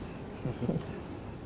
sampai jumpa di berita selanjutnya